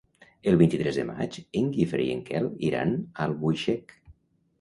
El vint-i-tres de maig en Guifré i en Quel iran a Albuixec.